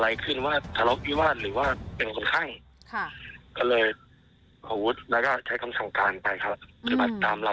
ให้กับกว่าคู่เลยจากการตรวจสอบทราบว่าในรามิและนะ